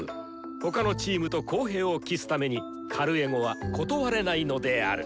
他のチームと公平を期すためにカルエゴは断れないのである！